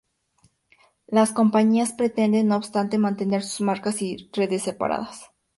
Las compañías pretenden no obstante mantener sus marcas y redes separadas.